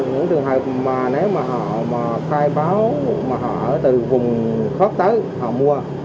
những trường hợp mà nếu họ khai báo họ ở từ vùng khớp tới họ mua